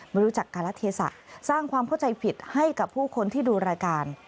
รู้จักการะเทศะสร้างความเข้าใจผิดให้กับผู้คนที่ดูรายการ